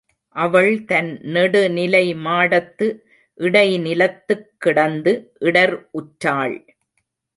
அவள் தன் நெடுநிலை மாடத்து இடைநிலத்துக் கிடந்து இடர் உற்றாள்.